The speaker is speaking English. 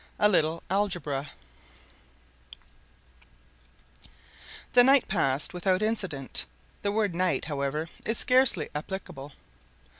A LITTLE ALGEBRA The night passed without incident. The word "night," however, is scarcely applicable.